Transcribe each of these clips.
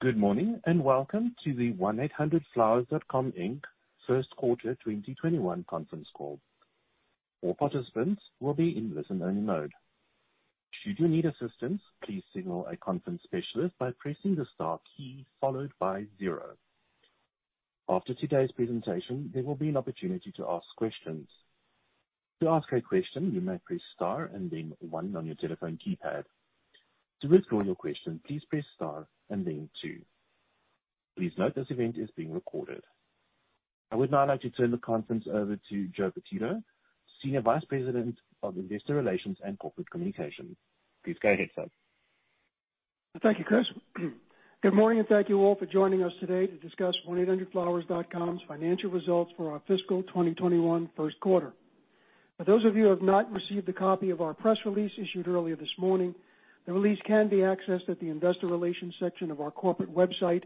Good morning, and welcome to the 1-800-FLOWERS.COM Inc., first quarter 2021 conference call. All participants will be in listen-only mode. Should you need assistance, please signal a conference specialist by pressing the star key followed by zero. After today's presentation, there will be an opportunity to ask questions. To ask a question, you may press star and then one on your telephone keypad. To withdraw your question, please press star and then two. Please note this event is being recorded. I would now like to turn the conference over to Joe Pititto, Senior Vice President of Investor Relations and Corporate Communications. Please go ahead, sir. Thank you, Chris. Good morning. Thank you all for joining us today to discuss 1-800-FLOWERS.COM's financial results for our fiscal 2021 first quarter. For those of you who have not received a copy of our press release issued earlier this morning, the release can be accessed at the Investor Relations section of our corporate website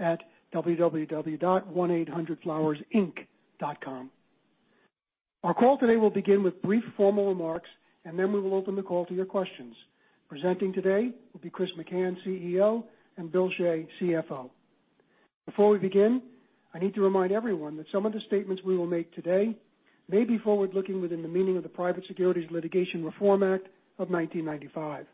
at www.1800flowersinc.com. Our call today will begin with brief formal remarks. Then we will open the call to your questions. Presenting today will be Chris McCann, CEO, and Bill Shea, CFO. Before we begin, I need to remind everyone that some of the statements we will make today may be forward-looking within the meaning of the Private Securities Litigation Reform Act of 1995.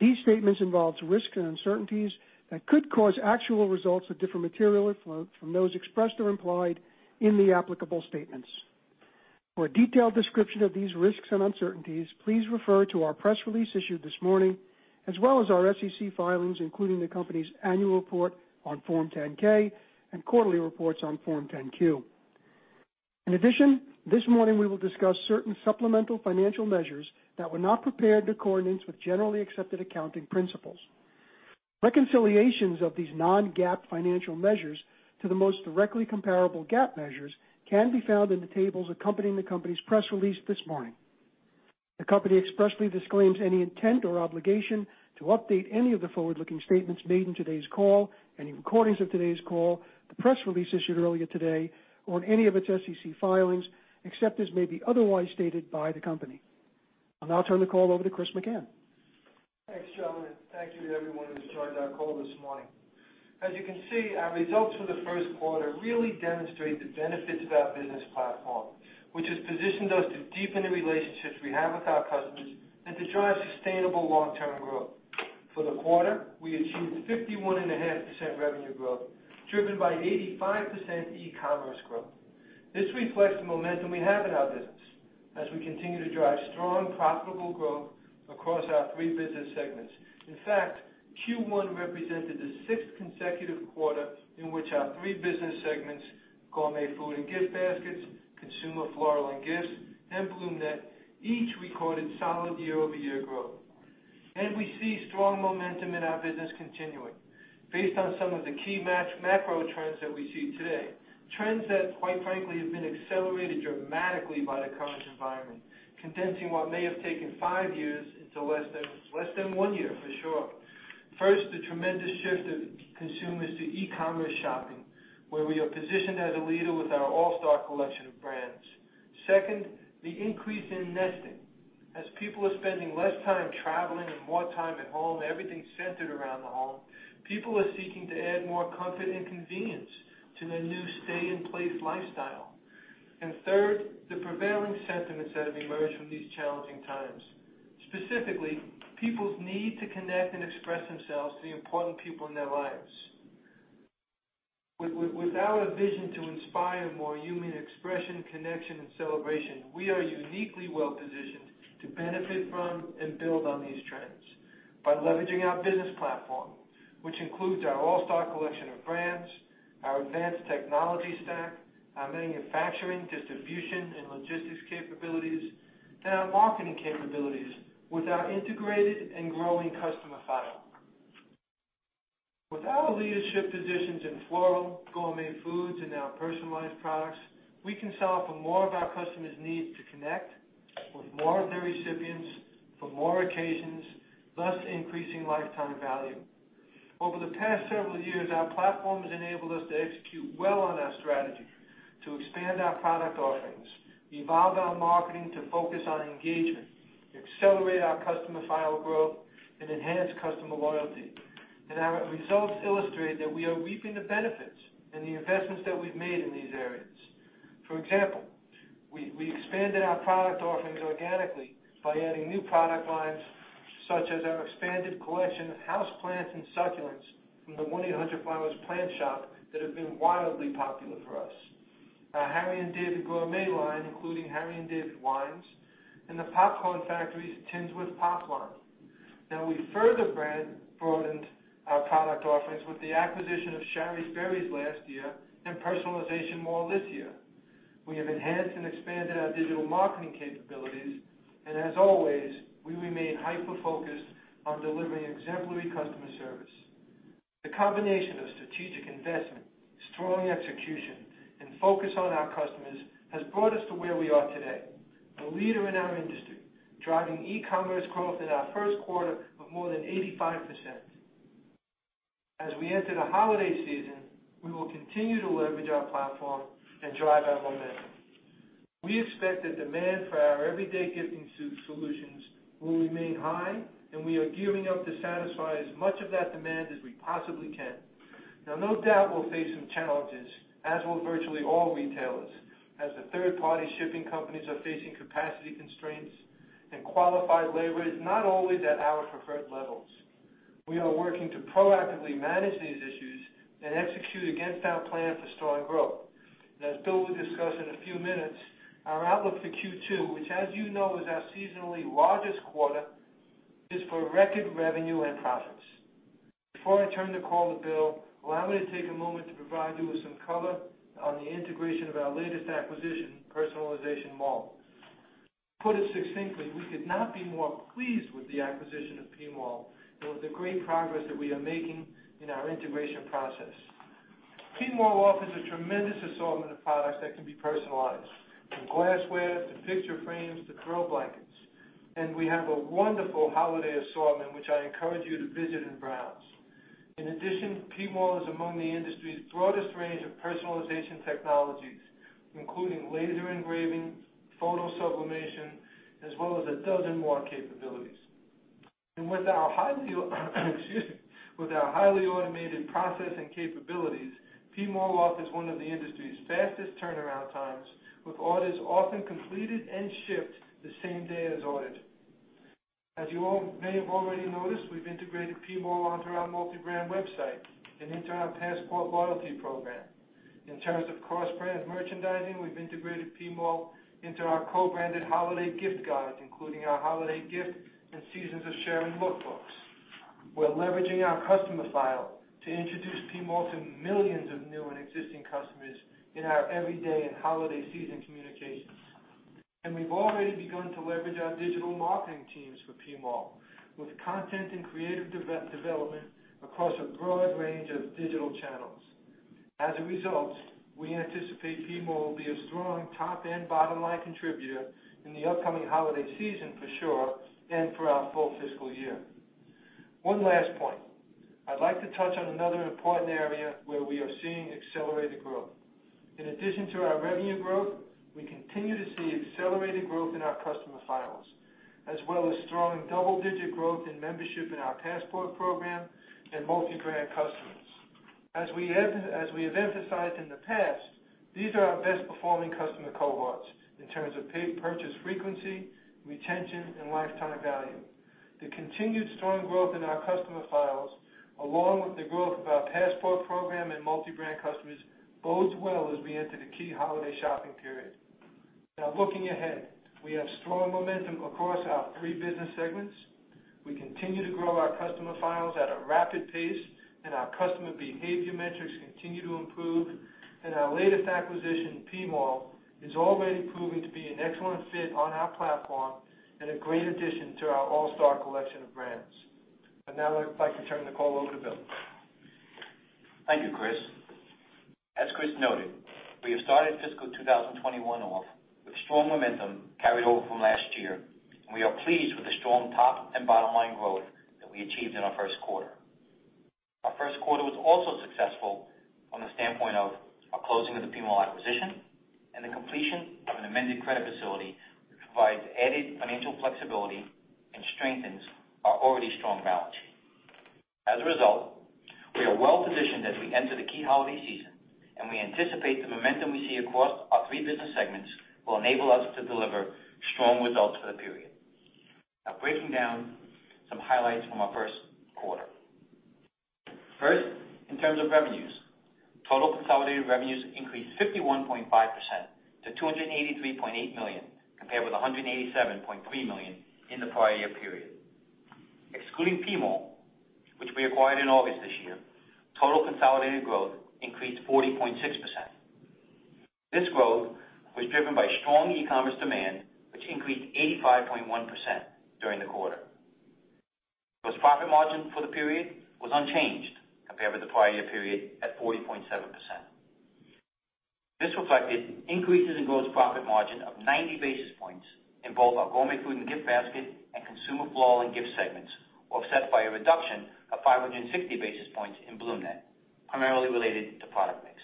These statements involve risks and uncertainties that could cause actual results to differ materially from those expressed or implied in the applicable statements. For a detailed description of these risks and uncertainties, please refer to our press release issued this morning, as well as our SEC filings, including the company's annual report on Form 10-K and quarterly reports on Form 10-Q. In addition, this morning, we will discuss certain supplemental financial measures that were not prepared in accordance with generally accepted accounting principles. Reconciliations of these non-GAAP financial measures to the most directly comparable GAAP measures can be found in the tables accompanying the company's press release this morning. The company expressly disclaims any intent or obligation to update any of the forward-looking statements made in today's call, any recordings of today's call, the press release issued earlier today, or any of its SEC filings, except as may be otherwise stated by the company. I'll now turn the call over to Chris McCann. Thanks, Joe, thank you to everyone who's joined our call this morning. As you can see, our results for the first quarter really demonstrate the benefits of our business platform, which has positioned us to deepen the relationships we have with our customers and to drive sustainable long-term growth. For the quarter, we achieved 51.5% revenue growth, driven by 85% e-commerce growth. This reflects the momentum we have in our business as we continue to drive strong, profitable growth across our three business segments. In fact, Q1 represented the sixth consecutive quarter in which our three business segments, Gourmet Foods and Gift Baskets, Consumer Floral and Gifts, and BloomNet, each recorded solid year-over-year growth. We see strong momentum in our business continuing based on some of the key macro trends that we see today, trends that, quite frankly, have been accelerated dramatically by the current environment, condensing what may have taken five years into less than one year, for sure. First, the tremendous shift of consumers to e-commerce shopping, where we are positioned as a leader with our all-star collection of brands. Second, the increase in nesting. As people are spending less time traveling and more time at home, everything is centered around the home. People are seeking to add more comfort and convenience to their new stay-in-place lifestyle. Third, the prevailing sentiments that have emerged from these challenging times. Specifically, people's need to connect and express themselves to the important people in their lives. With our vision to inspire more human expression, connection, and celebration, we are uniquely well-positioned to benefit from and build on these trends by leveraging our business platform, which includes our all-star collection of brands, our advanced technology stack, our manufacturing, distribution, and logistics capabilities, and our marketing capabilities with our integrated and growing customer file. With our leadership positions in floral, gourmet foods, and now personalized products, we can solve for more of our customers' need to connect with more of their recipients for more occasions, thus increasing lifetime value. Over the past several years, our platform has enabled us to execute well on our strategy to expand our product offerings, evolve our marketing to focus on engagement, accelerate our customer file growth, and enhance customer loyalty. Our results illustrate that we are reaping the benefits and the investments that we've made in these areas. For example, we expanded our product offerings organically by adding new product lines, such as our expanded collection of houseplants and succulents from the Plant Shop at 1-800-Flowers.com That have been wildly popular for us. Our Harry & David Gourmet, including Harry & David Wines, and The Popcorn Factory's tins with popcorn. Now, we further broadened our product offerings with the acquisition of Shari's Berries last year and PersonalizationMall this year. We have enhanced and expanded our digital marketing capabilities, and as always, we remain hyper-focused on delivering exemplary customer service. The combination of strategic investment, strong execution, and focus on our customers has brought us to where we are today, the leader in our industry, driving e-commerce growth in our first quarter of more than 85%. As we enter the holiday season, we will continue to leverage our platform and drive our momentum. We expect that demand for our everyday gifting solutions will remain high, and we are gearing up to satisfy as much of that demand as we possibly can. Now, no doubt we'll face some challenges, as will virtually all retailers, as the third-party shipping companies are facing capacity constraints and qualified labor is not only at our preferred levels. We are working to proactively manage these issues and execute against our plan for strong growth. As Bill will discuss in a few minutes, our outlook for Q2, which as you know is our seasonally largest quarter, is for record revenue and profits. Before I turn the call to Bill, allow me to take a moment to provide you with some color on the integration of our latest acquisition, PersonalizationMall.com. To put it succinctly, we could not be more pleased with the acquisition of PMall or the great progress that we are making in our integration process. PMall offers a tremendous assortment of products that can be personalized, from glassware to picture frames to throw blankets, and we have a wonderful holiday assortment, which I encourage you to visit and browse. In addition, PMall is among the industry's broadest range of personalization technologies, including laser engraving, photo sublimation, as well as a dozen more capabilities. With our highly automated process and capabilities, PMall offers one of the industry's fastest turnaround times, with orders often completed and shipped the same day as ordered. As you all may have already noticed, we've integrated PMall onto our multi-brand website and into our Passport loyalty program. In terms of cross-brand merchandising, we've integrated PMall into our co-branded holiday gift guides, including our holiday gift and Season of Sharing lookbooks. We're leveraging our customer file to introduce PMall to millions of new and existing customers in our everyday and holiday season communications. We've already begun to leverage our digital marketing teams for PMall with content and creative development across a broad range of digital channels. As a result, we anticipate PMall will be a strong top and bottom-line contributor in the upcoming holiday season for sure, and for our full fiscal year. One last point. I'd like to touch on another important area where we are seeing accelerated growth. In addition to our revenue growth, we continue to see accelerated growth in our customer files, as well as strong double-digit growth in membership in our Passport program and multi-brand customers. As we have emphasized in the past, these are our best performing customer cohorts in terms of paid purchase frequency, retention, and lifetime value. The continued strong growth in our customer files, along with the growth of our Passport program and multi-brand customers, bodes well as we enter the key holiday shopping period. Looking ahead, we have strong momentum across our three business segments. We continue to grow our customer files at a rapid pace, and our customer behavior metrics continue to improve, and our latest acquisition, PMall, is already proving to be an excellent fit on our platform and a great addition to our all-star collection of brands. Now I'd like to turn the call over to Bill. Thank you, Chris. As Chris noted, we have started fiscal 2021 off with strong momentum carried over from last year. We are pleased with the strong top and bottom-line growth that we achieved in our first quarter. Our first quarter was also successful from the standpoint of our closing of the PMall acquisition and the completion of an amended credit facility, which provides added financial flexibility and strengthens our already strong balance sheet. As a result, we are well positioned as we enter the key holiday season. We anticipate the momentum we see across our three business segments will enable us to deliver strong results for the period. Now breaking down some highlights from our first quarter. First, in terms of revenues, total consolidated revenues increased 51.5% to $283.8 million, compared with $187.3 million in the prior year period. Excluding PMall, which we acquired in August this year, total consolidated growth increased 40.6%. This growth was driven by strong e-commerce demand, which increased 85.1% during the quarter. Gross profit margin for the period was unchanged compared with the prior year period at 40.7%. This reflected increases in gross profit margin of 90 basis points in both our Gourmet Foods and Gift Baskets and Consumer Floral and Gifts segments, offset by a reduction of 560 basis points in BloomNet, primarily related to product mix.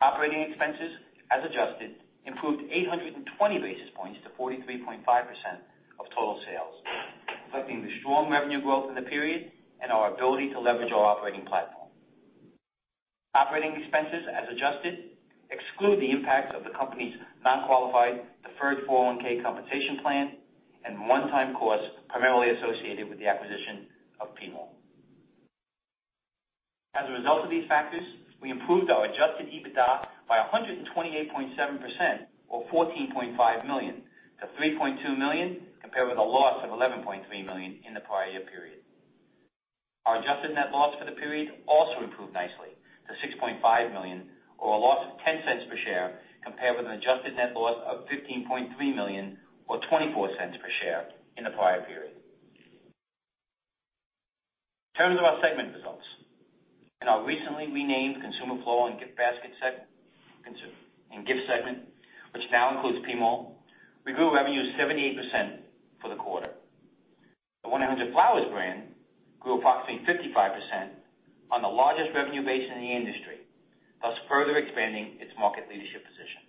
Operating expenses, as adjusted, improved 820 basis points to 43.5% of total sales, reflecting the strong revenue growth in the period and our ability to leverage our operating platform. Operating expenses, as adjusted, exclude the impact of the company's non-qualified deferred 401(k) compensation plan and one-time costs primarily associated with the acquisition of PMall. As a result of these factors, we improved our adjusted EBITDA by 128.7%, or $14.5 million, to $3.2 million, compared with a loss of $11.3 million in the prior year period. Our adjusted net loss for the period also improved nicely to $6.5 million or a loss of $0.10 per share, compared with an adjusted net loss of $15.3 million or $0.24 per share in the prior period. In terms of our segment results, in our recently renamed Consumer Floral and Gifts segment, which now includes PMall, we grew revenues 78% for the quarter. 1-800-FLOWERS brand grew approximately 55% on the largest revenue base in the industry, thus further expanding its market leadership position.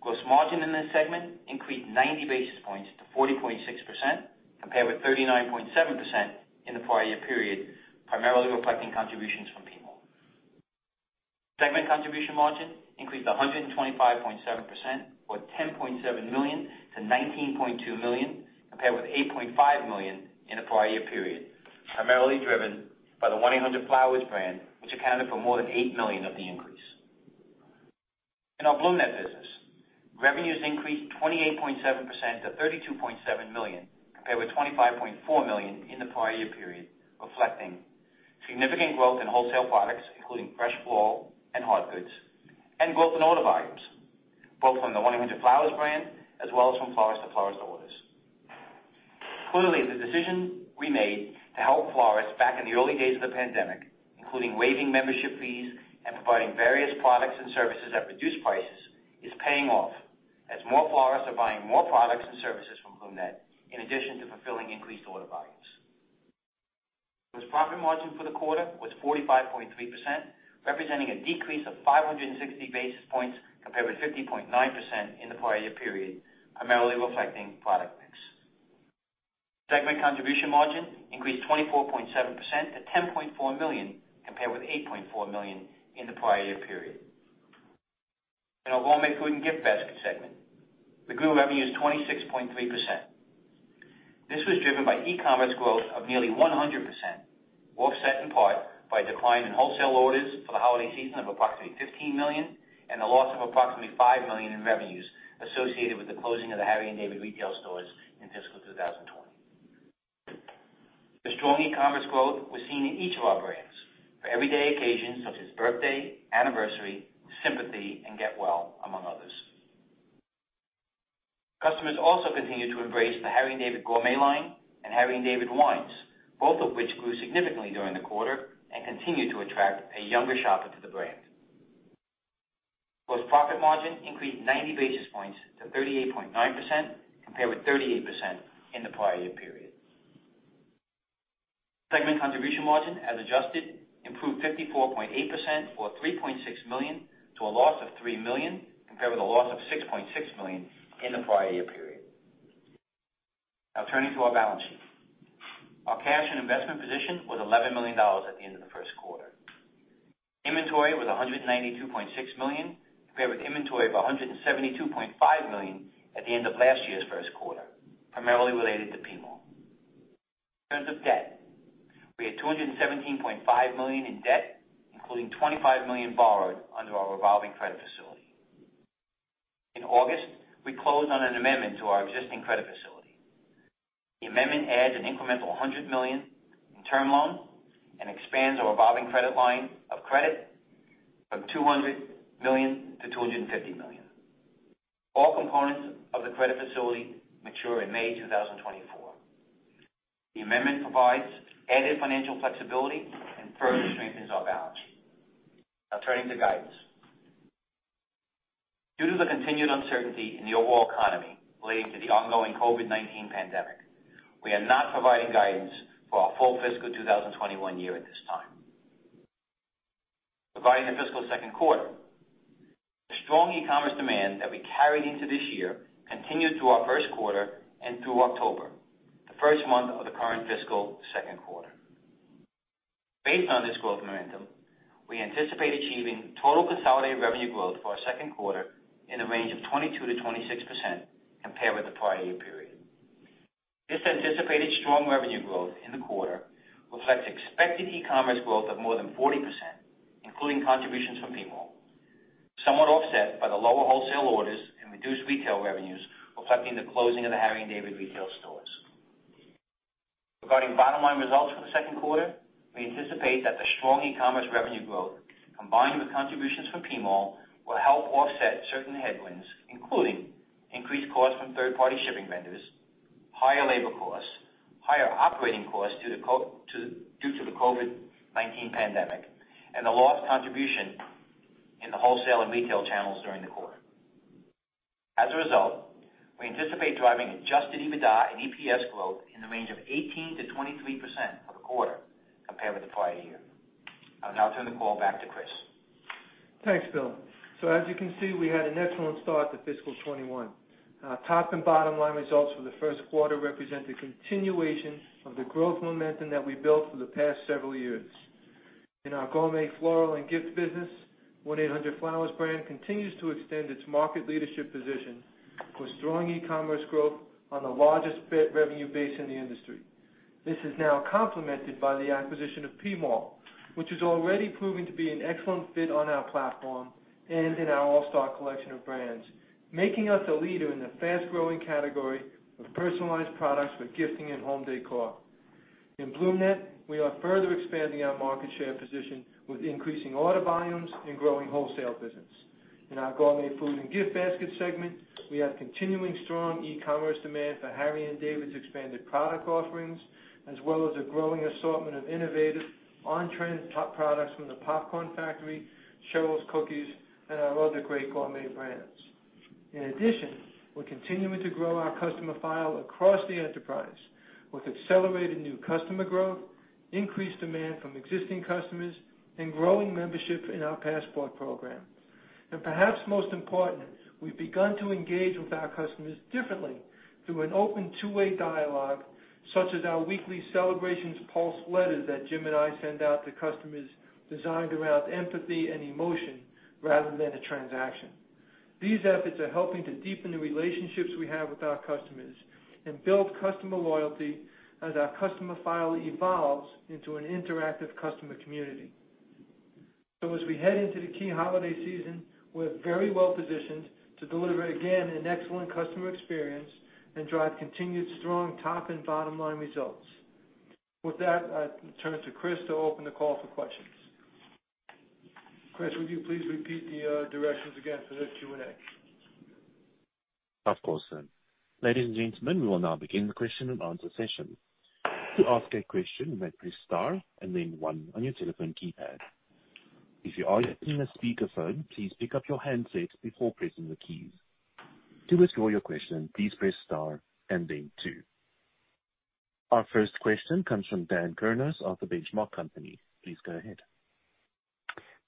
Gross margin in this segment increased 90 basis points to 40.6%, compared with 39.7% in the prior year period, primarily reflecting contributions from PMall. Segment contribution margin increased 125.7%, or $10.7 million to $19.2 million, compared with $8.5 million in the prior year period, primarily driven by the 1-800-FLOWERS brand, which accounted for more than $8 million of the increase. In our BloomNet business, revenues increased 28.7% to $32.7 million, compared with $25.4 million in the prior year period, reflecting significant growth in wholesale products, including fresh floral and hard goods, and growth in order volumes, both from the 1-800-FLOWERS brand as well as from florist-to-florist orders. Clearly, the decision we made to help florists back in the early days of the pandemic, including waiving membership fees and providing various products and services at reduced prices, is paying off as more florists are buying more products and services from BloomNet in addition to fulfilling increased order volumes. Gross profit margin for the quarter was 45.3%, representing a decrease of 560 basis points compared with 50.9% in the prior year period, primarily reflecting product mix. Segment contribution margin increased 24.7% to $10.4 million, compared with $8.4 million in the prior year period. In our Gourmet Foods and Gift Baskets segment, we grew revenues 26.3%. This was driven by e-commerce growth of nearly 100%, offset in part by a decline in wholesale orders for the holiday season of approximately $15 million, and a loss of approximately $5 million in revenues associated with the closing of the Harry & David retail stores in fiscal 2020. The strong e-commerce growth was seen in each of our brands for everyday occasions such as birthday, anniversary, sympathy, and get well, among others. Customers also continued to embrace the Harry & David Gourmet and Harry & David Wines, both of which grew significantly during the quarter and continue to attract a younger shopper to the brand. Gross profit margin increased 90 basis points to 38.9%, compared with 38% in the prior year period. Segment contribution margin, as adjusted, improved 54.8%, or $3.6 million, to a loss of $3 million, compared with a loss of $6.6 million in the prior year period. Turning to our balance sheet. Our cash and investment position was $11 million at the end of the first quarter. Inventory was $192.6 million, compared with inventory of $172.5 million at the end of last year's first quarter, primarily related to PMall. In terms of debt, we had $217.5 million in debt, including $25 million borrowed under our revolving credit facility. In August, we closed on an amendment to our existing credit facility. The amendment adds an incremental $100 million in term loan and expands our revolving credit line of credit from $200 million to $250 million. All components of the credit facility mature in May 2024. The amendment provides added financial flexibility and further strengthens our balance sheet. Turning to guidance. Due to the continued uncertainty in the overall economy related to the ongoing COVID-19 pandemic, we are not providing guidance for our full fiscal 2021 year at this time. Regarding the fiscal second quarter, the strong e-commerce demand that we carried into this year continued through our first quarter and through October, the first month of the current fiscal second quarter. Based on this growth momentum, we anticipate achieving total consolidated revenue growth for our second quarter in the range of 22%-26% compared with the prior year period. This anticipated strong revenue growth in the quarter reflects expected e-commerce growth of more than 40%, including contributions from PMall, somewhat offset by the lower wholesale orders and reduced retail revenues, reflecting the closing of the Harry & David retail stores. Regarding bottom line results for the second quarter, we anticipate that the strong e-commerce revenue growth, combined with contributions from PMall, will help offset certain headwinds, including increased costs from third-party shipping vendors, higher labor costs, higher operating costs due to the COVID-19 pandemic, and the lost contribution in the wholesale and retail channels during the quarter. As a result, we anticipate driving adjusted EBITDA and EPS growth in the range of 18% to 23% for the quarter compared with the prior year. I will now turn the call back to Chris. Thanks, Bill. As you can see, we had an excellent start to fiscal 2021. Our top and bottom line results for the first quarter represent a continuation of the growth momentum that we built for the past several years. In our Gourmet Floral and Gifts business, 1-800-FLOWERS brand continues to extend its market leadership position with strong e-commerce growth on the largest revenue base in the industry. This is now complemented by the acquisition of PMall, which has already proven to be an excellent fit on our platform and in our all-star collection of brands, making us a leader in the fast-growing category of personalized products for gifting and home décor. In BloomNet, we are further expanding our market share position with increasing order volumes and growing wholesale business. In our Gourmet Foods and Gift Baskets segment, we have continuing strong e-commerce demand for Harry & David's expanded product offerings, as well as a growing assortment of innovative on-trend top products from The Popcorn Factory, Cheryl's Cookies, and our other great gourmet brands. In addition, we're continuing to grow our customer file across the enterprise with accelerated new customer growth, increased demand from existing customers, and growing membership in our Passport program. Perhaps most important, we've begun to engage with our customers differently through an open two-way dialogue, such as our weekly Celebrations Pulse letter that Jim and I send out to customers designed around empathy and emotion rather than a transaction. These efforts are helping to deepen the relationships we have with our customers and build customer loyalty as our customer file evolves into an interactive customer community. As we head into the key holiday season, we're very well positioned to deliver again an excellent customer experience and drive continued strong top and bottom-line results. With that, I turn to Chris to open the call for questions. Chris, would you please repeat the directions again for this Q&A? Of course, sir. Ladies and gentlemen, we will now begin the question and answer session. To ask a question, you may press star and then one on your telephone keypad. If you are using a speakerphone, please pick up your handset before pressing the keys. To withdraw your question, please press star and then two. Our first question comes from Dan Kurnos of The Benchmark Company. Please go ahead.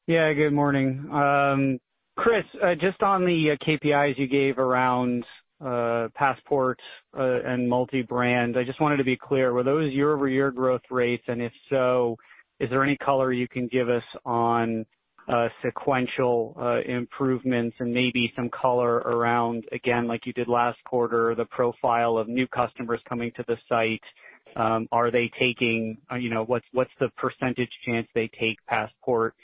Yeah, good morning. Chris, just on the KPIs you gave around Passport and multi-brand, I just wanted to be clear. Were those year-over-year growth rates, if so, is there any color you can give us on sequential improvements and maybe some color around, again, like you did last quarter, the profile of new customers coming to the site? What's the percentage chance they take Passport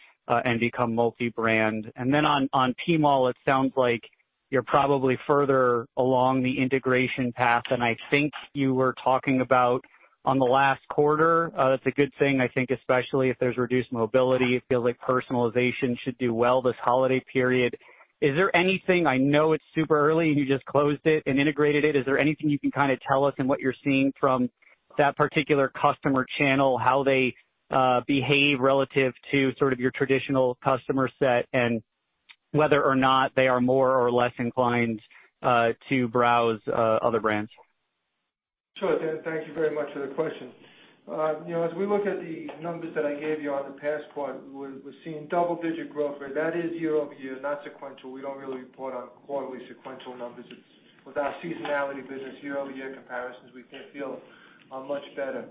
and become multi-brand? Then on PMall, it sounds like you're probably further along the integration path than I think you were talking about on the last quarter. That's a good thing, I think, especially if there's reduced mobility. It feels like personalization should do well this holiday period. I know it's super early, and you just closed it and integrated it. Is there anything you can tell us in what you're seeing from that particular customer channel, how they behave relative to sort of your traditional customer set, and whether or not they are more or less inclined to browse other brands? Sure, Dan. Thank you very much for the question. As we look at the numbers that I gave you on the Passport, we're seeing double-digit growth rate. That is year-over-year, not sequential. We don't really report on quarterly sequential numbers. With our seasonality business, year-over-year comparisons we think feel much better.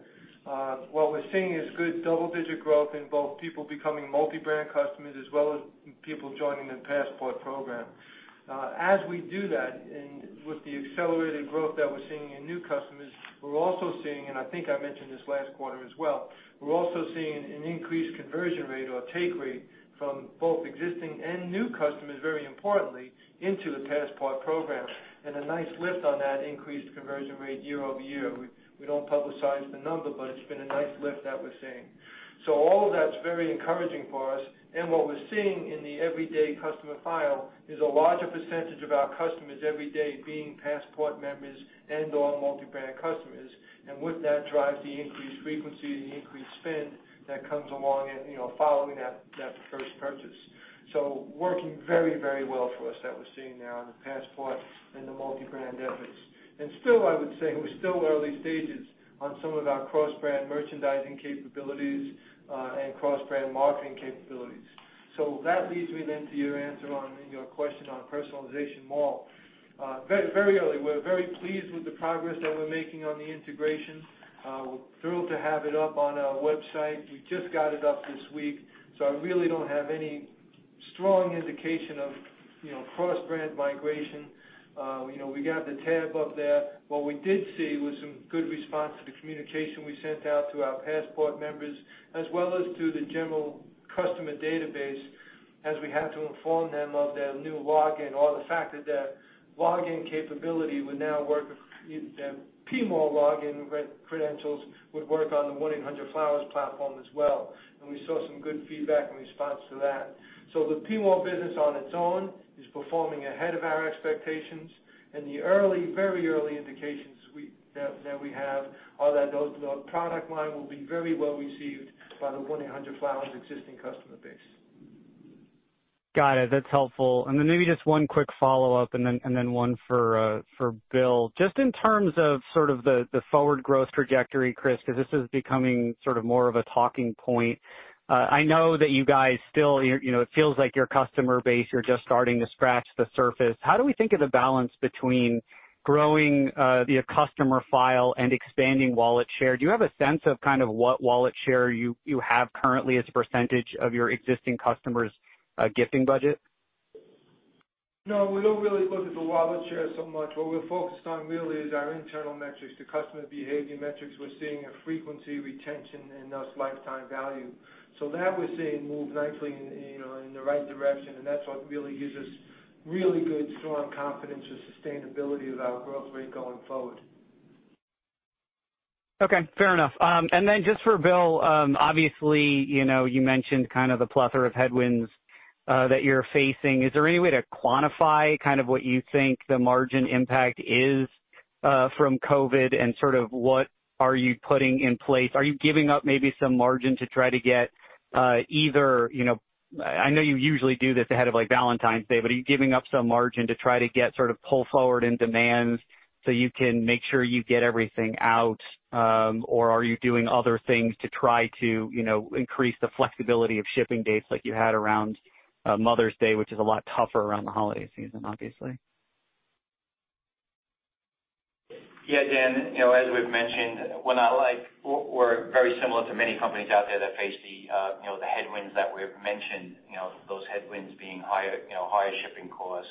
What we're seeing is good double-digit growth in both people becoming multi-brand customers as well as people joining the Passport program. As we do that, with the accelerated growth that we're seeing in new customers, and I think I mentioned this last quarter as well, we're also seeing an increased conversion rate or take rate from both existing and new customers, very importantly, into the Passport program and a nice lift on that increased conversion rate year-over-year. We don't publicize the number, it's been a nice lift that we're seeing. All of that's very encouraging for us. What we're seeing in the everyday customer file is a larger percentage of our customers every day being Passport members and/or multi-brand customers. With that, drives the increased frequency and the increased spend that comes along and following that first purchase. Working very well for us that we're seeing now in the Passport and the multi-brand efforts. Still, I would say we're still early stages on some of our cross-brand merchandising capabilities, and cross-brand marketing capabilities. That leads me then to your answer on your question on PersonalizationMall. Very early. We're very pleased with the progress that we're making on the integration. We're thrilled to have it up on our website. We just got it up this week, so I really don't have any strong indication of cross-brand migration. We got the tab up there. What we did see was some good response to the communication we sent out to our Passport members as well as to the general customer database as we had to inform them of their new login, or the fact that their login capability would now work their PMall login credentials would work on the 1-800-FLOWERS platform as well. We saw some good feedback and response to that. The PMall business on its own is performing ahead of our expectations. The very early indications that we have are that the product line will be very well received by the 1-800-FLOWERS existing customer base. Got it. That's helpful. Maybe just one quick follow-up and then one for Bill. Just in terms of sort of the forward growth trajectory, Chris, because this is becoming sort of more of a talking point. I know that you guys still, it feels like your customer base, you're just starting to scratch the surface. How do we think of the balance between growing the customer file and expanding wallet share? Do you have a sense of kind of what wallet share you have currently as a percentage of your existing customers' gifting budget? We don't really look at the wallet share so much. What we're focused on really is our internal metrics, the customer behavior metrics. We're seeing a frequency retention and thus lifetime value. That we're seeing move nicely in the right direction, and that's what really gives us really good, strong confidence with sustainability of our growth rate going forward. Okay, fair enough. Just for Bill, obviously, you mentioned kind of the plethora of headwinds that you're facing. Is there any way to quantify kind of what you think the margin impact is from COVID and sort of what are you putting in place? Are you giving up maybe some margin to try to get either, I know you usually do this ahead of like Valentine's Day, but are you giving up some margin to try to get sort of pull forward in demands so you can make sure you get everything out? Are you doing other things to try to increase the flexibility of shipping dates like you had around Mother's Day, which is a lot tougher around the holiday season, obviously? Dan, as we've mentioned, we're very similar to many companies out there that face the headwinds that we've mentioned. Those headwinds being higher shipping costs,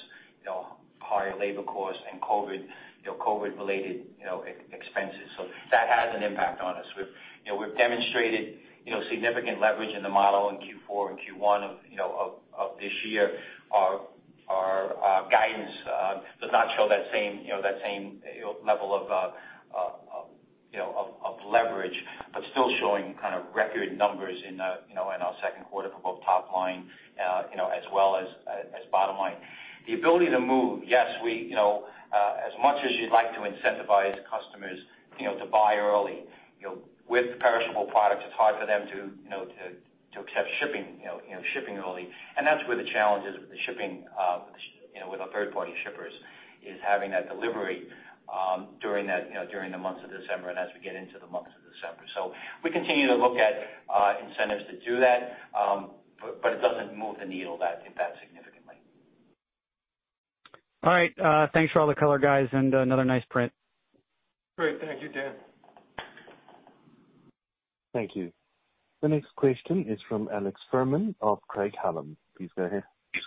higher labor costs, and COVID-related expenses. That has an impact on us. We've demonstrated significant leverage in the model in Q4 and Q1 of this year. Our guidance does not show that same level of leverage, but still showing kind of record numbers in our second quarter for both top line, as well as bottom line. The ability to move, yes, as much as you'd like to incentivize customers to buy early, with perishable products, it's hard for them to accept shipping early. That's where the challenge is with the shipping with our third party shippers, is having that delivery during the months of December, and as we get into the month of December. We continue to look at incentives to do that. It doesn't move the needle that significantly. All right. Thanks for all the color, guys, and another nice print. Great. Thank you, Dan. Thank you. The next question is from Alex Fuhrman of Craig-Hallum. Please go ahead. Thanks.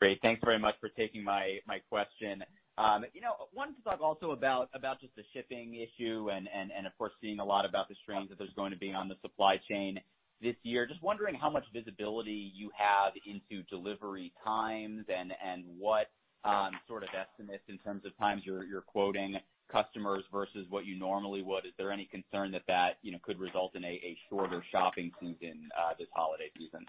Great. Thanks very much for taking my question. Wanted to talk also about just the shipping issue and, of course, seeing a lot about the strains that there's going to be on the supply chain this year. Just wondering how much visibility you have into delivery times and what sort of estimates in terms of times you're quoting customers versus what you normally would. Is there any concern that that could result in a shorter shopping season this holiday season?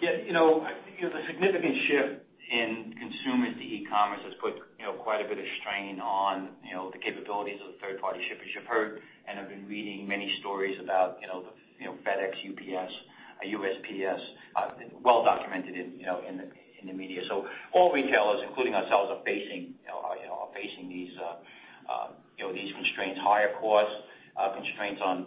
The significant shift in consumers to e-commerce has put quite a bit of strain on the capabilities of the third party shippers. You've heard, and have been reading many stories about FedEx, UPS, USPS, well documented in the media. All retailers, including ourselves, are facing these constraints, higher costs, constraints on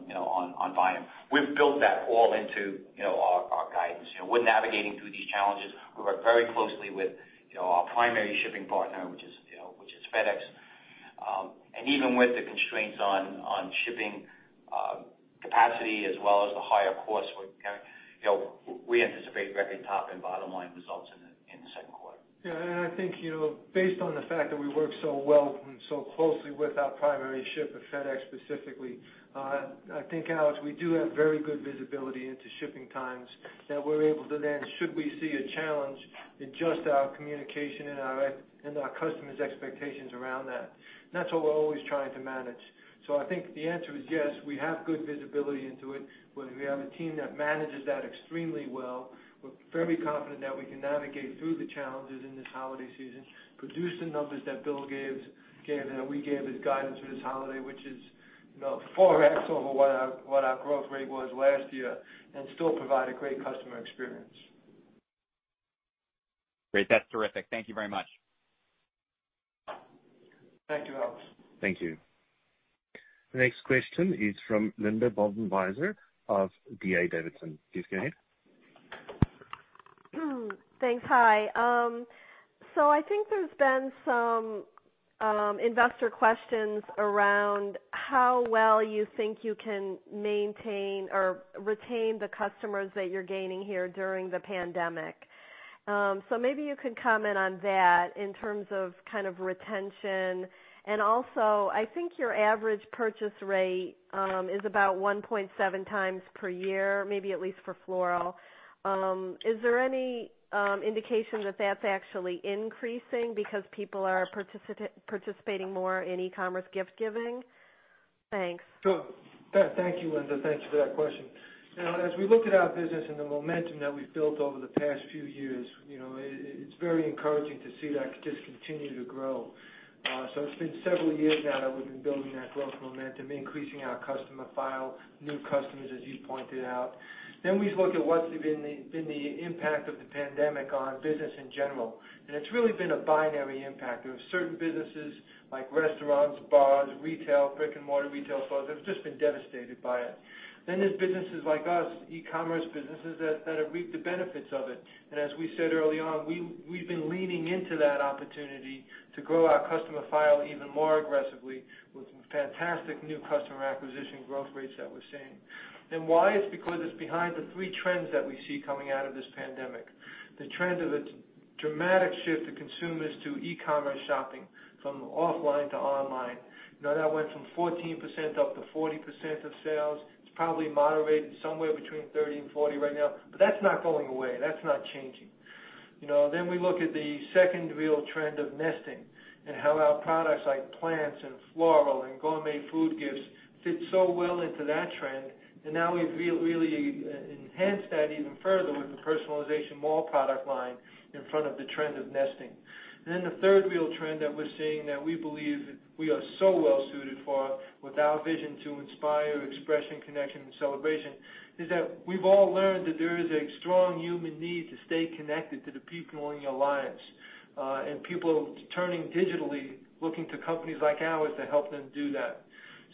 volume. We've built that all into our guidance. We're navigating through these challenges. We work very closely with our primary shipping partner, which is FedEx. Even with the constraints on shipping capacity as well as the higher costs, we anticipate record top and bottom line results in the second quarter. I think based on the fact that we work so well and so closely with our primary shipper, FedEx specifically, I think, Alex, we do have very good visibility into shipping times, that we're able to then, should we see a challenge, adjust our communication and our customers' expectations around that. That's what we're always trying to manage. I think the answer is yes, we have good visibility into it. We have a team that manages that extremely well. We're fairly confident that we can navigate through the challenges in this holiday season, produce the numbers that Bill gave, that we gave as guidance for this holiday, which is 4x over what our growth rate was last year, and still provide a great customer experience. Great. That's terrific. Thank you very much. Thank you, Alex. Thank you. The next question is from Linda Bolton Weiser of D.A. Davidson. Please go ahead. Thanks. Hi. I think there's been some investor questions around how well you think you can maintain or retain the customers that you're gaining here during the pandemic. Maybe you could comment on that in terms of kind of retention. Also, I think your average purchase rate is about 1.7x per year, maybe at least for floral. Is there any indication that that's actually increasing because people are participating more in e-commerce gift giving? Thanks. Sure. Thank you, Linda. Thanks for that question. As we look at our business and the momentum that we've built over the past few years, it's very encouraging to see that just continue to grow. It's been several years now that we've been building that growth momentum, increasing our customer file, new customers, as you pointed out. We look at what's been the impact of the pandemic on business in general, and it's really been a binary impact. There are certain businesses like restaurants, bars, retail, brick and mortar retail stores that have just been devastated by it. There's businesses like us, e-commerce businesses, that have reaped the benefits of it. As we said early on, we've been leaning into that opportunity to grow our customer file even more aggressively with fantastic new customer acquisition growth rates that we're seeing. Why? It's because it's behind the three trends that we see coming out of this pandemic. The trend of the dramatic shift to consumers to e-commerce shopping, from offline to online. That went from 14% up to 40% of sales. It's probably moderated somewhere between 30% and 40% right now. That's not going away. That's not changing. We look at the second real trend of nesting. How our products like plants and floral and gourmet food gifts fit so well into that trend. Now we've really enhanced that even further with the PersonalizationMall product line in front of the trend of nesting. The third real trend that we're seeing that we believe we are so well-suited for with our vision to inspire expression, connection, and celebration is that we've all learned that there is a strong human need to stay connected to the people in your lives, and people turning digitally, looking to companies like ours to help them do that.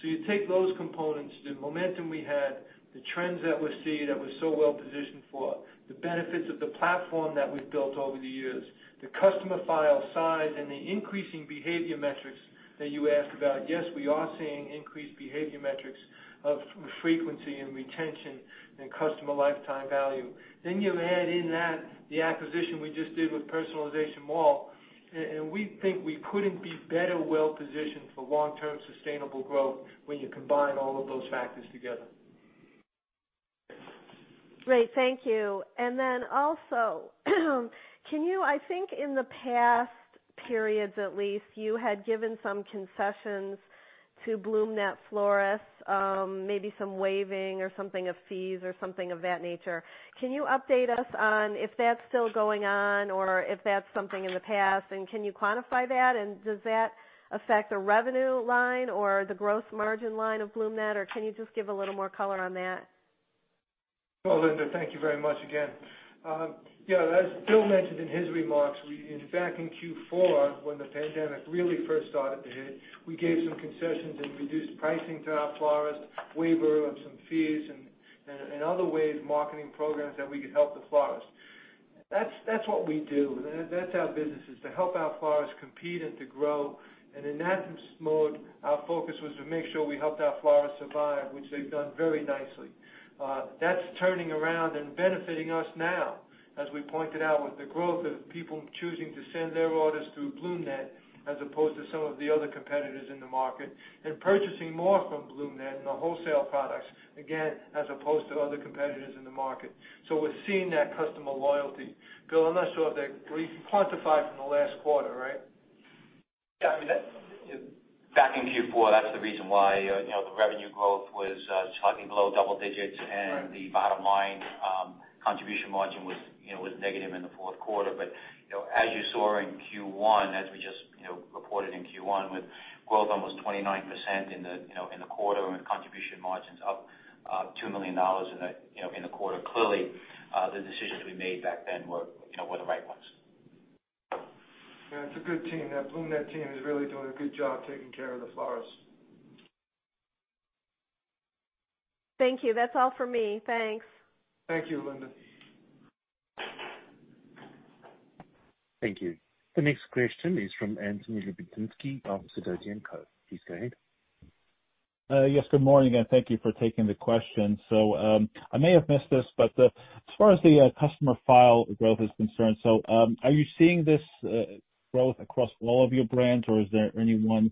You take those components, the momentum we had, the trends that we're seeing that we're so well-positioned for, the benefits of the platform that we've built over the years, the customer file size, and the increasing behavior metrics that you asked about. Yes, we are seeing increased behavior metrics of frequency and retention and customer lifetime value. You add in that the acquisition we just did with PersonalizationMall, and we think we couldn't be better well-positioned for long-term sustainable growth when you combine all of those factors together. Great. Thank you. Also, I think in the past periods at least, you had given some concessions to BloomNet florists, maybe some waiving or something of fees or something of that nature. Can you update us on if that's still going on or if that's something in the past, and can you quantify that? Does that affect the revenue line or the gross margin line of BloomNet, or can you just give a little more color on that? Linda, thank you very much again. As Bill mentioned in his remarks, back in Q4, when the pandemic really first started to hit, we gave some concessions and reduced pricing to our florists, waiver of some fees and other ways, marketing programs that we could help the florists. That's what we do. That's our business, is to help our florists compete and to grow. In that mode, our focus was to make sure we helped our florists survive, which they've done very nicely. That's turning around and benefiting us now, as we pointed out, with the growth of people choosing to send their orders through BloomNet as opposed to some of the other competitors in the market, and purchasing more from BloomNet in the wholesale products, again, as opposed to other competitors in the market. We're seeing that customer loyalty. Bill, I'm not sure. We can quantify from the last quarter, right? Yeah. Back in Q4, that's the reason why the revenue growth was chugging below double digits- Right The bottom line contribution margin was negative in the fourth quarter. As you saw in Q1, as we just reported in Q1 with growth almost 29% in the quarter and with contribution margins up $2 million in the quarter. Clearly, the decisions we made back then were the right ones. Yeah, it's a good team. That BloomNet team is really doing a good job taking care of the florists. Thank you. That's all for me. Thanks. Thank you, Linda. Thank you. The next question is from Anthony Lebiedzinski of Sidoti & Co. Please go ahead. Yes, good morning. Thank you for taking the question. I may have missed this, but as far as the customer file growth is concerned, so are you seeing this growth across all of your brands, or is there any one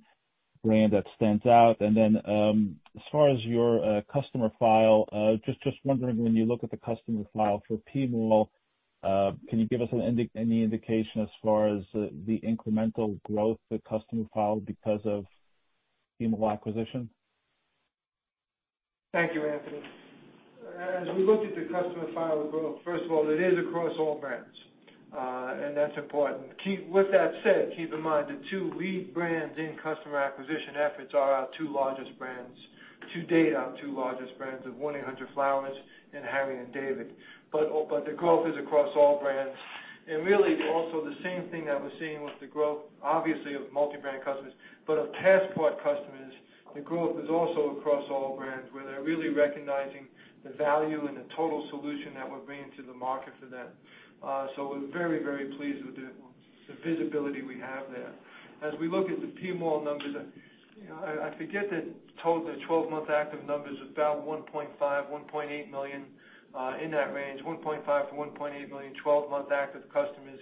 brand that stands out? As far as your customer file, just wondering, when you look at the customer file for PMall, can you give us any indication as far as the incremental growth of the customer file because of PMall acquisition? Thank you, Anthony. As we look at the customer file growth, first of all, it is across all brands, and that's important. With that said, keep in mind the two lead brands in customer acquisition efforts are our two largest brands. To date, our two largest brands are 1-800-FLOWERS and Harry & David. The growth is across all brands. Really also the same thing that we're seeing with the growth, obviously, of multi-brand customers, but of Passport customers, the growth is also across all brands, where they're really recognizing the value and the total solution that we're bringing to the market for them. We're very, very pleased with the visibility we have there. As we look at the PMall numbers, I forget the total 12-month active numbers, about 1.5 million, 1.8 million, in that range, 1.5 million-1.8 million 12-month active customers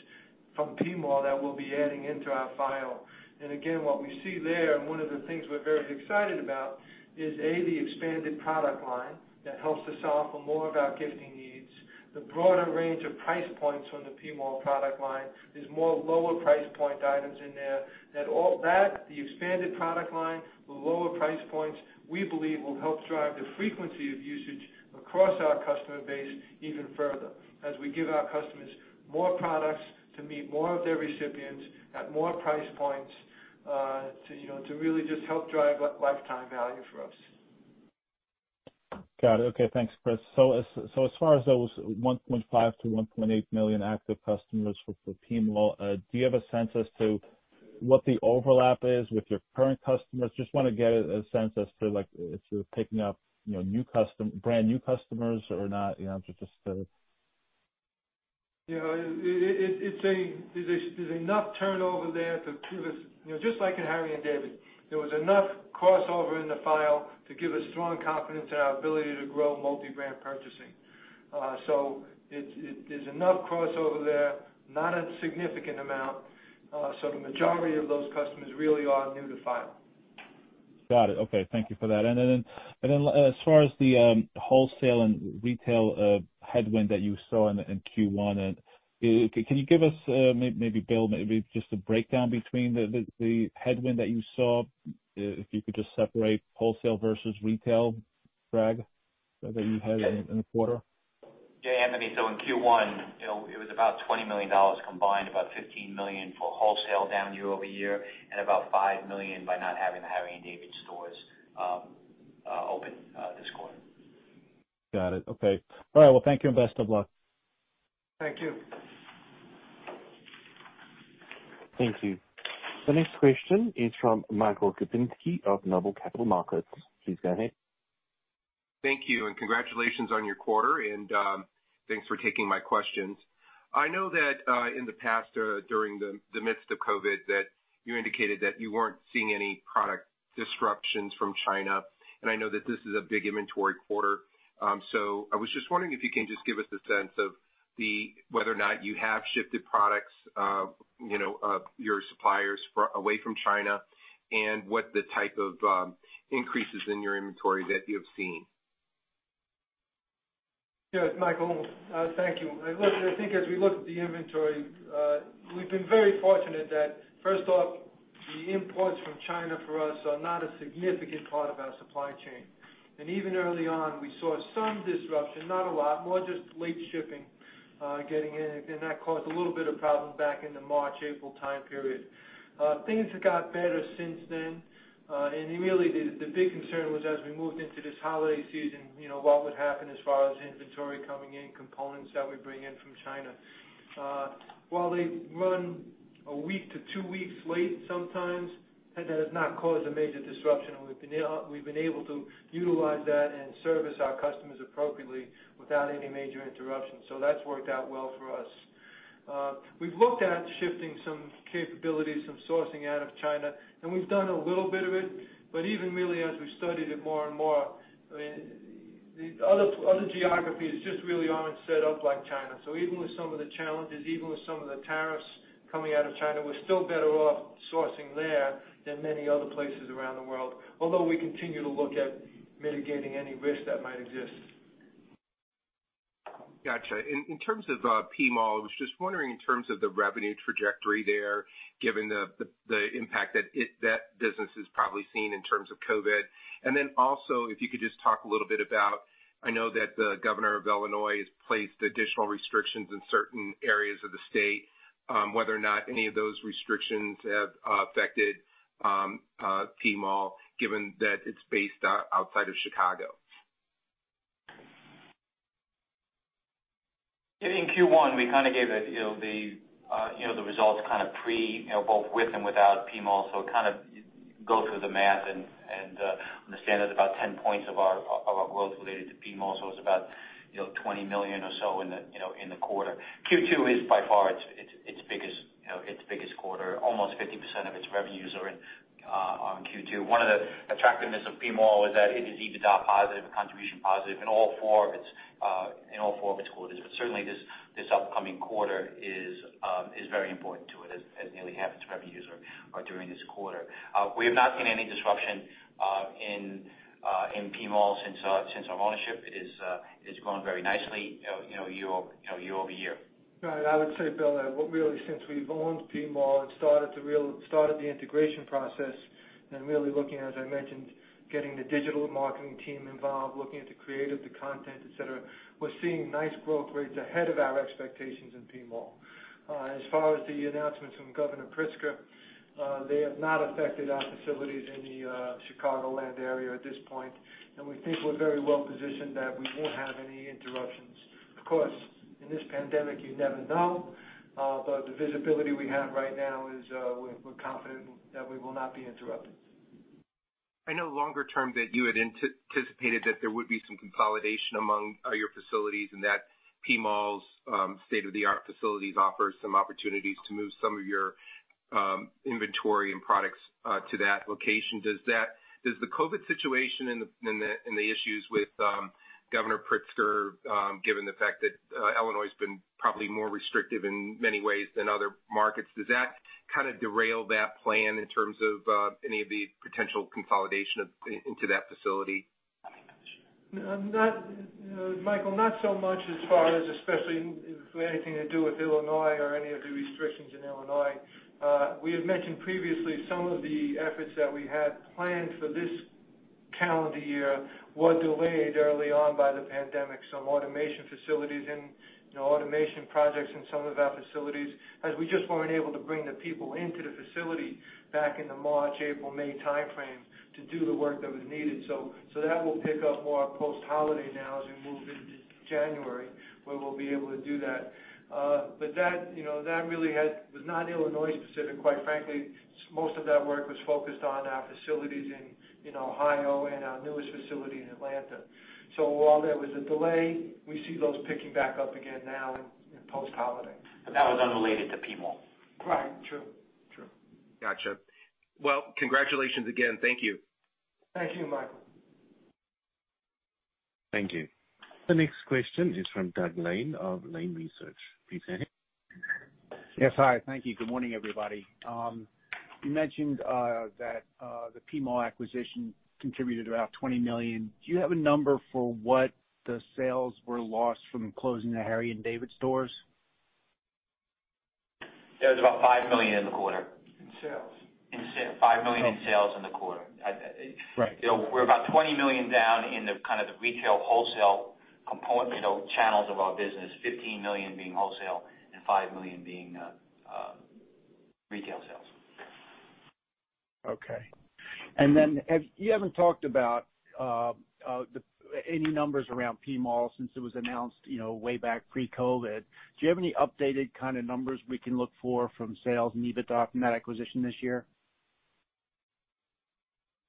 from PMall that we'll be adding into our file. Again, what we see there, and one of the things we're very excited about is, A, the expanded product line that helps to solve for more of our gifting needs. The broader range of price points on the PMall product line. There's more lower price point items in there. That, the expanded product line, the lower price points, we believe will help drive the frequency of usage across our customer base even further as we give our customers more products to meet more of their recipients at more price points to really just help drive lifetime value for us. Got it. Okay. Thanks, Chris. As far as those 1.5 million-1.8 million active customers for PMall, do you have a sense as to what the overlap is with your current customers? Just want to get a sense as to if you're picking up brand-new customers or not. There's enough turnover there. Just like in Harry & David, there was enough crossover in the file to give us strong confidence in our ability to grow multi-brand purchasing. There's enough crossover there, not a significant amount. The majority of those customers really are new to file. Got it. Okay, thank you for that. As far as the wholesale and retail headwind that you saw in Q1, can you give us, maybe Bill, maybe just a breakdown between the headwind that you saw, if you could just separate wholesale versus retail drag that you had in the quarter? Yeah, Anthony, in Q1, it was about $20 million combined, about $15 million for wholesale down year-over-year, and about $5 million by not having the Harry & David stores open this quarter. Got it. Okay. All right. Well, thank you and best of luck. Thank you. Thank you. The next question is from Michael Kupinski of Noble Capital Markets. Please go ahead. Thank you, and congratulations on your quarter and thanks for taking my questions. I know that in the past, during the midst of COVID, that you indicated that you weren't seeing any product disruptions from China, and I know that this is a big inventory quarter. I was just wondering if you can just give us a sense of whether or not you have shifted products, your suppliers away from China and what the type of increases in your inventory that you have seen. Yes, Michael. Thank you. Listen, I think as we look at the inventory, we've been very fortunate that, first off, the imports from China for us are not a significant part of our supply chain. Even early on, we saw some disruption, not a lot, more just late shipping getting in, and that caused a little bit of problem back in the March, April time period. Things have got better since then. Really, the big concern was as we moved into this holiday season, what would happen as far as inventory coming in, components that we bring in from China. While they run a week to two weeks late sometimes, that has not caused a major disruption, and we've been able to utilize that and service our customers appropriately without any major interruptions. That's worked out well for us. We've looked at shifting some capabilities, some sourcing out of China. We've done a little bit of it, but even really as we studied it more and more, other geographies just really aren't set up like China. Even with some of the challenges, even with some of the tariffs coming out of China, we're still better off sourcing there than many other places around the world. We continue to look at mitigating any risk that might exist. Got you. In terms of PMall, I was just wondering in terms of the revenue trajectory there, given the impact that business has probably seen in terms of COVID. If you could just talk a little bit about, I know that the Governor of Illinois has placed additional restrictions in certain areas of the state, whether or not any of those restrictions have affected PMall, given that it's based outside of Chicago. In Q1, we kind of gave the results kind of pre both with and without PMall. Kind of go through the math, and understand that about 10 points of our growth related to PMall. It's about $20 million or so in the quarter. Q2 is by far its biggest quarter. Almost 50% of its revenues are on Q2. One of the attractiveness of PMall is that it is EBITDA positive and contribution positive in all four of its quarters. Certainly, this upcoming quarter is very important to it, as nearly half its revenues are during this quarter. We have not seen any disruption in PMall since our ownership. It's grown very nicely year-over-year. Right. I would say, Bill, that really since we've owned PMall and started the integration process and really looking, as I mentioned, getting the digital marketing team involved, looking at the creative, the content, et cetera, we're seeing nice growth rates ahead of our expectations in PMall. As far as the announcements from Governor Pritzker, they have not affected our facilities in the Chicagoland area at this point, and we think we're very well positioned that we won't have any interruptions. Of course, in this pandemic, you never know. The visibility we have right now is we're confident that we will not be interrupted. I know longer term that you had anticipated that there would be some consolidation among your facilities and that PMall's state-of-the-art facilities offer some opportunities to move some of your inventory and products to that location. Does the COVID situation and the issues with Governor Pritzker, given the fact that Illinois has been probably more restrictive in many ways than other markets, does that kind of derail that plan in terms of any of the potential consolidation into that facility? Let me finish. Michael, not so much as far as, especially for anything to do with Illinois or any of the restrictions in Illinois. We had mentioned previously some of the efforts that we had planned for this calendar year were delayed early on by the pandemic, some automation facilities and automation projects in some of our facilities, as we just weren't able to bring the people into the facility back in the March, April, May timeframe to do the work that was needed. That will pick up more post-holiday now as we move into January, where we'll be able to do that. That really was not Illinois specific. Quite frankly, most of that work was focused on our facilities in Ohio and our newest facility in Atlanta. While there was a delay, we see those picking back up again now in post-holiday. That was unrelated to PMall. Right. True. Got you. Well, congratulations again. Thank you. Thank you, Michael. Thank you. The next question is from Doug Lane of Lane Research. Please go ahead. Yes, hi. Thank you. Good morning, everybody. You mentioned that the PMall acquisition contributed about $20 million. Do you have a number for what the sales were lost from closing the Harry & David stores? It was about $5 million in the quarter. In sales. In sales. $5 million in sales in the quarter. Right. We're about $20 million down in the retail wholesale component channels of our business, $15 million being wholesale and $5 million being retail sales. Okay. You haven't talked about any numbers around PMall since it was announced way back pre-COVID. Do you have any updated numbers we can look for from sales and EBITDA from that acquisition this year?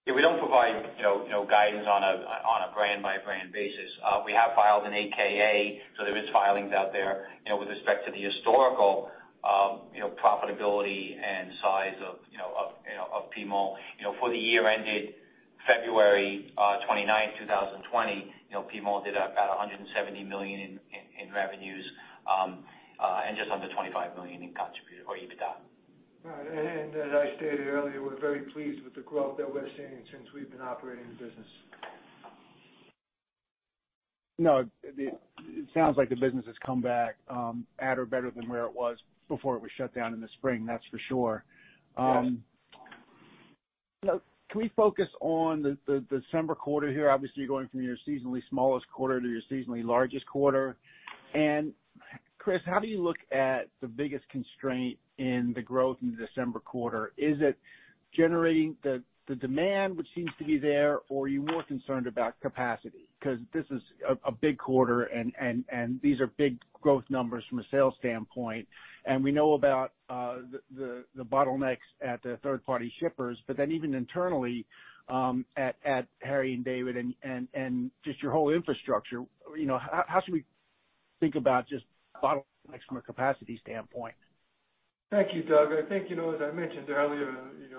We don't provide guidance on a brand by brand basis. We have filed an 8-K, so there are filings out there with respect to the historical profitability and size of PMall. For the year ended February 29, 2020, PMall did about $170 million in revenues, and just under $25 million in contributed or EBITDA. Right. As I stated earlier, we're very pleased with the growth that we're seeing since we've been operating the business. No, it sounds like the business has come back at or better than where it was before it was shut down in the spring, that's for sure. Yes. Can we focus on the December quarter here? Obviously, you're going from your seasonally smallest quarter to your seasonally largest quarter. Chris, how do you look at the biggest constraint in the growth in the December quarter? Is it generating the demand which seems to be there, or are you more concerned about capacity? Because this is a big quarter and these are big growth numbers from a sales standpoint. We know about the bottlenecks at the third party shippers, but then even internally, at Harry & David and just your whole infrastructure, how should we think about just bottlenecks from a capacity standpoint? Thank you, Doug. I think as I mentioned earlier,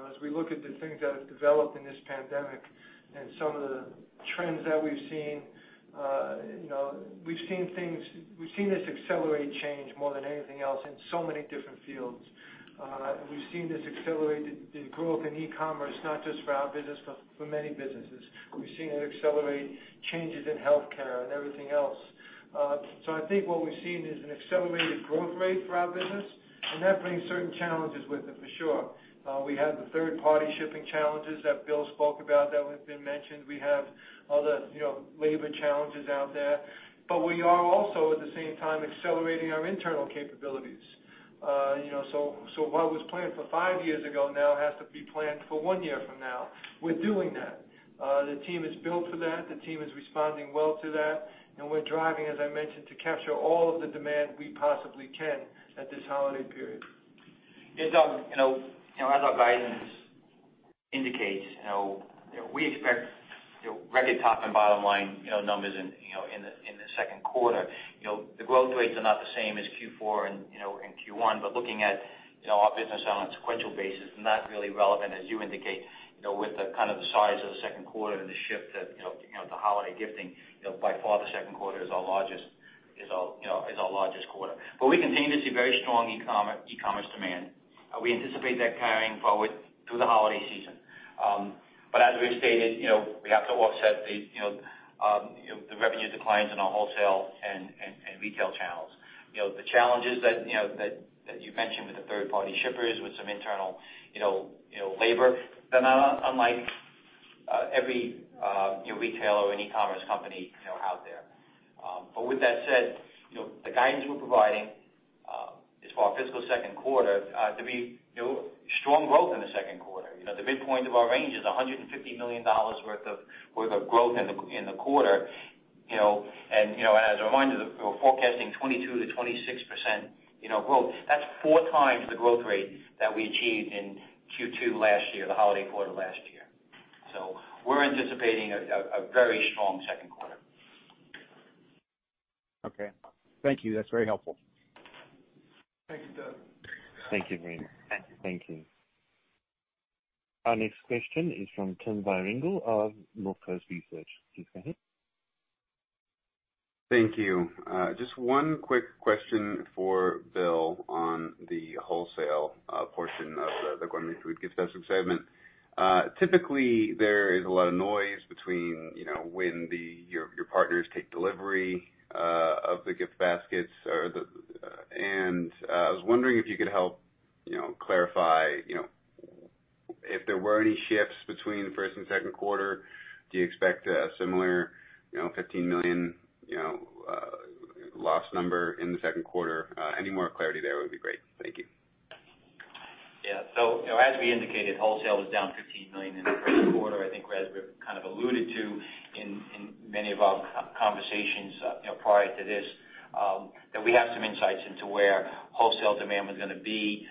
as we look at the things that have developed in this pandemic and some of the trends that we've seen, we've seen this accelerated change more than anything else in so many different fields. We've seen this accelerated growth in e-commerce, not just for our business, but for many businesses. We've seen it accelerate changes in healthcare and everything else. I think what we've seen is an accelerated growth rate for our business, and that brings certain challenges with it for sure. We have the third party shipping challenges that Bill spoke about, that have been mentioned. We have other labor challenges out there, but we are also at the same time accelerating our internal capabilities. What was planned for five years ago now has to be planned for one year from now. We're doing that. The team is built for that. The team is responding well to that, and we're driving, as I mentioned, to capture all of the demand we possibly can at this holiday period. Doug, as our guidance indicates, we expect record top and bottom line numbers in the second quarter. The growth rates are not the same as Q4 and Q1. Looking at our business on a sequential basis is not really relevant as you indicate with the size of the second quarter and the shift at the holiday gifting, by far, the second quarter is our largest quarter. We continue to see very strong e-commerce demand. We anticipate that carrying forward through the holiday season. As we've stated, we have to offset the revenue declines in our wholesale and retail channels. The challenges that you mentioned with the third party shippers, with some internal labor, they're not unlike every retailer or an e-commerce company out there. With that said, the guidance we're providing, as for our fiscal second quarter, to be strong growth in the second quarter. The midpoint of our range is $150 million worth of growth in the quarter. As a reminder, we're forecasting 22%-26% growth. That's four times the growth rate that we achieved in Q2 last year, the holiday quarter last year. We're anticipating a very strong second quarter. Okay. Thank you. That's very helpful. Thank you, Doug. Thank you. Thank you. Our next question is from Tim Vierengel of Northcoast Research. Please go ahead. Thank you. Just one quick question for Bill on the wholesale portion of the Gourmet Foods and Gift Baskets segment. Typically, there is a lot of noise between when your partners take delivery of the gift baskets. I was wondering if you could help clarify if there were any shifts between the first and second quarter. Do you expect a similar $15 million loss number in the second quarter? Any more clarity there would be great. Thank you. Yeah. As we indicated, wholesale was down $15 million in the first quarter. I think as we've kind of alluded to in many of our conversations prior to this, that we have some insights into where wholesale demand was going to be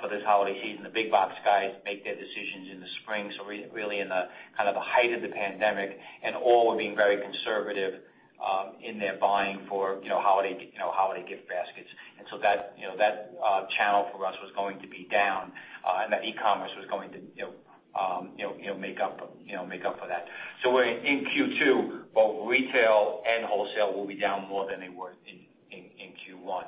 for this holiday season. The big box guys make their decisions in the spring, so really in the height of the pandemic, and all were being very conservative in their buying for holiday gift baskets. That channel for us was going to be down, and that e-commerce was going to make up for that. In Q2, both retail and wholesale will be down more than they were in Q1.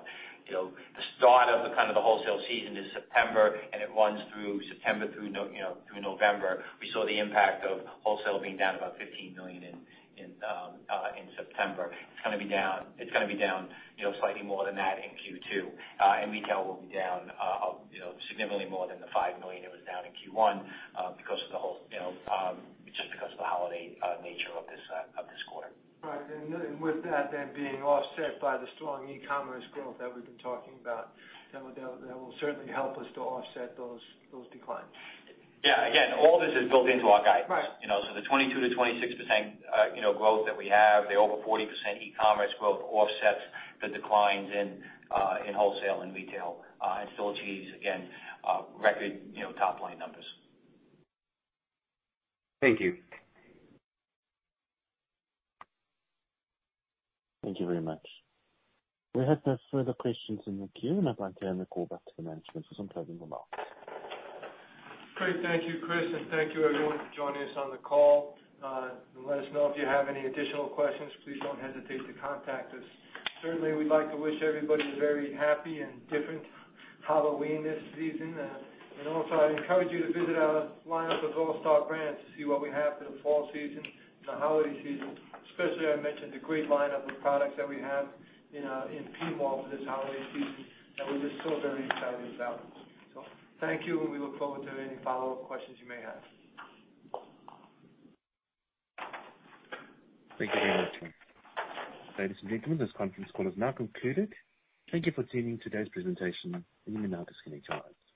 The start of the wholesale season is September, and it runs through September through November. We saw the impact of wholesale being down about $15 million in September. It's going to be down slightly more than that in Q2. Retail will be down significantly more than the $5 million it was down in Q1, just because of the holiday nature of this quarter. Right. With that being offset by the strong e-commerce growth that we've been talking about, that will certainly help us to offset those declines. Yeah. Again, all this is built into our guidance. Right. The 22%-26% growth that we have, the over 40% e-commerce growth offsets the declines in wholesale and retail and still achieves, again, record top-line numbers. Thank you. Thank you very much. We have no further questions in the queue, and I'd like to hand the call back to the management for some closing remarks. Great. Thank you, Chris, and thank you everyone for joining us on the call. Let us know if you have any additional questions. Please don't hesitate to contact us. Certainly, we'd like to wish everybody a very happy and different Halloween this season. Also, I encourage you to visit our lineup of all-star brands to see what we have for the fall season and the holiday season. Especially, I mentioned the great lineup of products that we have in PMall for this holiday season that we're just so very excited about. Thank you, and we look forward to any follow-up questions you may have. Thank you very much. Ladies and gentlemen, this conference call has now concluded. Thank you for tuning in today's presentation, and you may now disconnect your lines.